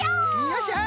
よっしゃ。